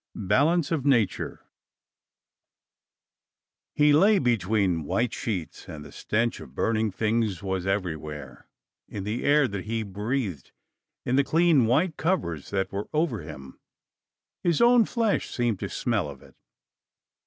Balance of Nature He lay between white sheets, and the stench of burning things was everywhere, in the air that he breathed, in the clean white covers that were over him. His own flesh seemed to smell of it.